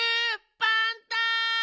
パンタ！